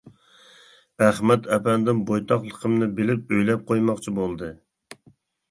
ئەخمەت ئەپەندىم بويتاقلىقىمنى بىلىپ ئۆيلەپ قويماقچى بولدى.